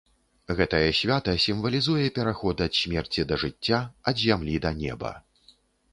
Гэтае свята сімвалізуе пераход ад смерці да жыцця, ад зямлі да неба.